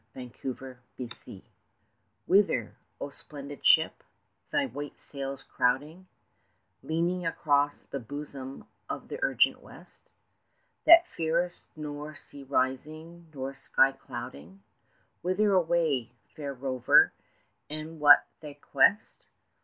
A PASSER BY Whither, O splendid ship, thy white sails crowding, Leaning across the bosom of the urgent West, That fearest nor sea rising, nor sky clouding, Whither away, fair rover, and what thy quest?